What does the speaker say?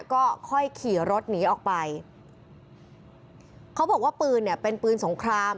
ก็ค่อยขี่รถหนีออกไปเขาบอกว่าปืนเนี่ยเป็นปืนสงคราม